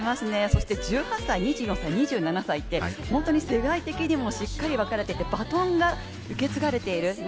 そして１８歳、２４歳、２７歳って本当に世代的にもしっかり分かれていてバトンが受け継がれている